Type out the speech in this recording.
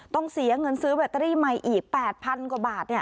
ต้องเสียเงินซื้อแบตเตอรี่ใหม่อีก๘๐๐๐กว่าบาท